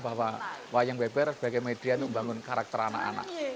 bahwa wayang beber sebagai media untuk membangun karakter anak anak